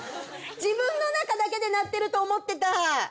自分の中だけで鳴ってると思ってた。